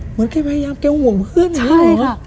เหมือนแกพยายามแกโหงเพื่อนเลยเหรอ